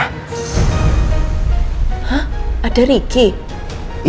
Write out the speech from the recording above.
hah ada ricky